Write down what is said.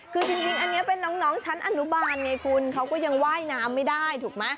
คือจริงอันนี้เป็นน้องชั้นอนุบาลไงคุณเขาก็ยังว่ายน้ำไม่ได้ถูกไหม